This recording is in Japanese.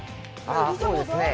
あっそうですね。